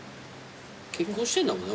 結婚してんだもんね